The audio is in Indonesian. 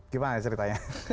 gimana ya ceritanya